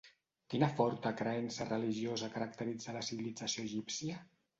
Quina forta creença religiosa caracteritza la civilització egípcia?